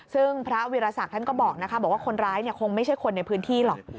ซึ่งพระวีรศักดิ์ท่านก็บอกว่าคนร้ายคงไม่ใช่คนในพื้นที่หรอก